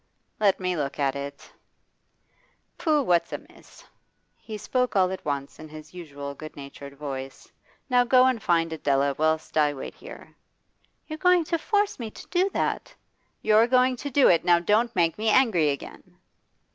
'Let me look at it. Pooh, what's amiss?' He spoke all at once in his usual good natured voice. 'Now go and find Adela, whilst I wait here.' 'You're going to force me to do that?' 'You're going to do it. Now don't make me angry again.